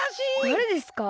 だれですか？